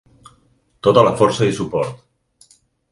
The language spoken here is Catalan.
Tota la força i suport.